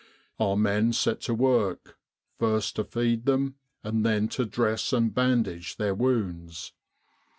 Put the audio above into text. Our men set to work, first , to feed them, and then to dress and bandage their wounds.